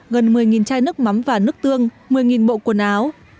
gần một mươi chai nước mắm và nước tương một mươi bộ quần áo